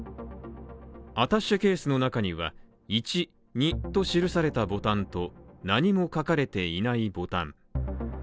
アタッシェケースの中には、１、２と記されたボタンと何も書かれていないボタン。